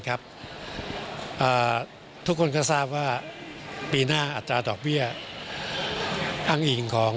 ครับทุกคนก็ทราบว่าปีหน้าอาจจะดอกเบี้ยอังอิ่งของ